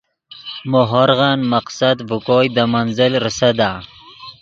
مو ہورغن مقصد ڤے کوئے دے منزل ریسدا